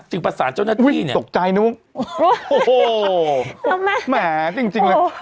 จึงประสานเจ้าหน้าที่เนี้ยอุ๊ยตกใจนะโอ้โหแม่จริงจริงเลย